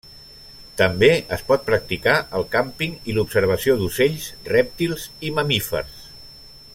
També es pot practicar el càmping i l'observació d'ocells, rèptils i mamífers.